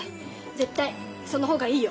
絶対その方がいいよ。